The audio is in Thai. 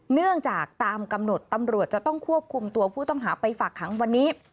เนื่องจากตามกำหนดตำรวจจะต้องควบคุมตัวผู้ต้องหาไปฝากขังวันนี้